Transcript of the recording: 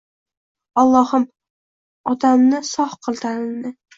Olloxim otamni sog qil tanini